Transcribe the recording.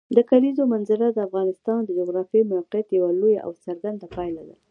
د کلیزو منظره د افغانستان د جغرافیایي موقیعت یوه لویه او څرګنده پایله ده.